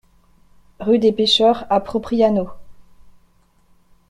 Rue des Pecheurs à Propriano